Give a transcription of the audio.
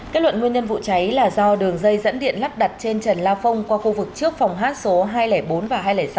kết luận nguyên nhân vụ cháy là do đường dây dẫn điện lắp đặt trên trần la phong qua khu vực trước phòng hát số hai trăm linh bốn và hai trăm linh sáu